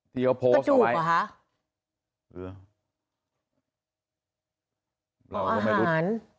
กระจูบหรอฮะ